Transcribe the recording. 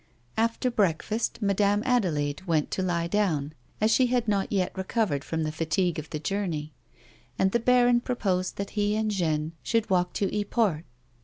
After breakfast, Madame Aedlaide went to lie down as she had not yet recovered from the fatigue of the journey, and the baron proposed that he and Jeanne should walk to Yport.